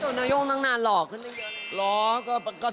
เจินไนโย่งตั้งนานหล่อขึ้นเยอะเนี่ย